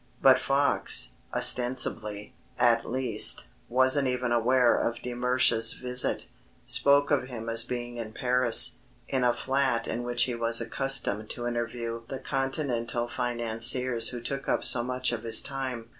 But Fox ostensibly, at least wasn't even aware of de Mersch's visit; spoke of him as being in Paris in a flat in which he was accustomed to interview the continental financiers who took up so much of his time.